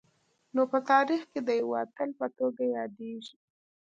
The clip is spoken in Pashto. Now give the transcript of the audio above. نو په تاریخ کي د یوه اتل په توګه یادیږي